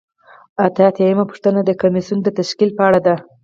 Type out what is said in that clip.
اته اتیا یمه پوښتنه د کمیسیون د تشکیل په اړه ده.